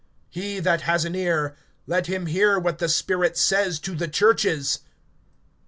(13)He that has an ear, let him hear what the Spirit says to the churches.